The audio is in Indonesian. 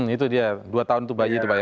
itu dia dua tahun itu bayi itu pak ya